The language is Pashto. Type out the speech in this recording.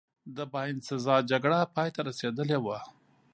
د باینسزا جګړه پایته رسېدلې وه.